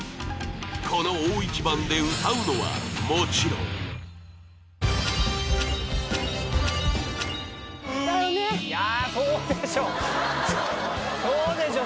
この大一番で歌うのはもちろんだよね。